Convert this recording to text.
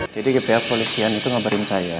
jadi ke pihak polisian itu ngabarin saya